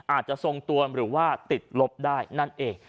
อาจจะทรงตัวหรือว่าติดลบได้นั่นเอง